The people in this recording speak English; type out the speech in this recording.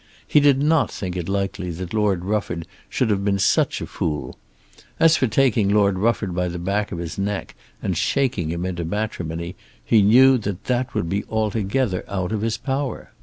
He did not think it likely that Lord Rufford should have been such a fool. As for taking Lord Rufford by the back of his neck and shaking him into matrimony, he knew that that would be altogether out of his power.